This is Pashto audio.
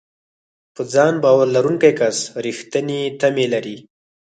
په ځان باور لرونکی کس رېښتینې تمې لري.